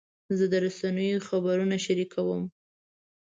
زه د رسنیو خبرونه شریکوم.